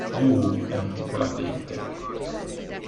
Yuu è un tipo latente.